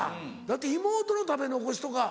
だって妹の食べ残しとか。